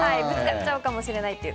ぶつかっちゃうかもしれない。